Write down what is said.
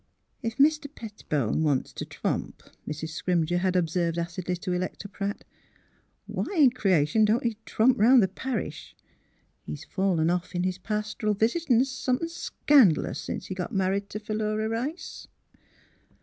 '' If Mr. Pettibone wants t' tromp," Mrs. Scrimger had observed acidly to Electa Pratt, *' why in creation don 't he tromp 'round the par ish? He's fallen off in his pastoral visitin' some thin' scand'lous sence he got married t' Philura Rice!